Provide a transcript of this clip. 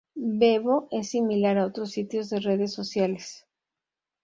Bebo es similar a otros sitios de redes sociales.